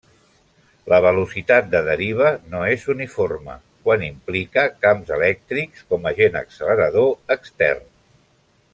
La velocitat de deriva no és uniforme quan implica camps elèctrics com agent accelerador extern.